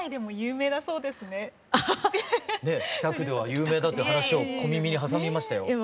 北区では有名だっていう話を小耳に挟みましたよ。